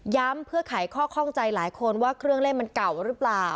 เพื่อไขข้อข้องใจหลายคนว่าเครื่องเล่นมันเก่าหรือเปล่า